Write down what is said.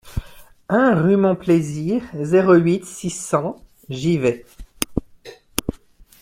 un rue Mon Plaisir, zéro huit, six cents, Givet